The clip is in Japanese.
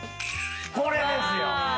これですよ！